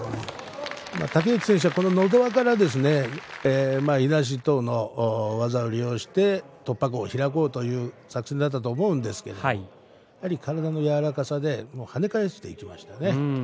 竹内選手はのど輪からいなし等の技を利用して突破口を開こうかという作戦だったと思うんですが体の柔らかさで跳ね返していきましたね。